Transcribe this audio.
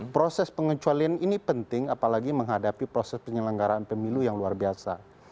proses pengecualian ini penting apalagi menghadapi proses penyelenggaraan pemilu yang luar biasa